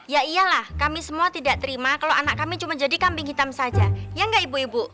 ya iyalah kami semua tidak terima kalau anak kami cuma jadi kambing hitam saja ya nggak ibu ibu